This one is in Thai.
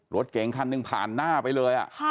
รถเก๋งคันหนึ่งผ่านหน้าไปเลย